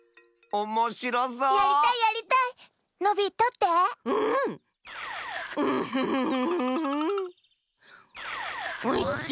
おいしょ。